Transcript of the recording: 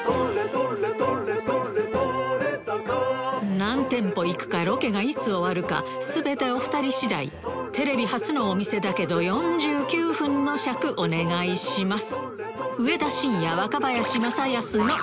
何店舗行くかロケがいつ終わるか全てお２人次第テレビ初のお店だけど４９分の尺お願いします